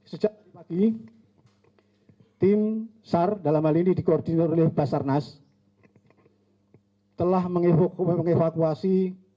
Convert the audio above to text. sejak tadi pagi tim sar dalam hal ini dikoordinir oleh basarnas telah mengevakuasi